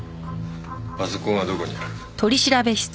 パソコンはどこにある？